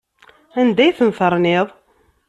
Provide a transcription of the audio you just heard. Anda ay ten-terniḍ?